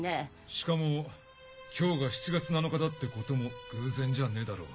しかも今日が７月７日だってことも偶然じゃねえだろう。